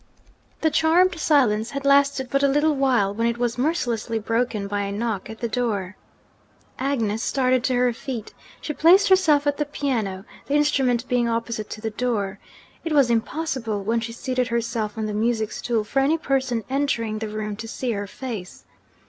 The charmed silence had lasted but a little while, when it was mercilessly broken by a knock at the door. Agnes started to her feet. She placed herself at the piano; the instrument being opposite to the door, it was impossible, when she seated herself on the music stool, for any person entering the room to see her face.